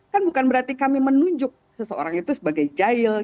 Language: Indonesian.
kan bukan berarti kami menunjuk seseorang itu sebagai jahil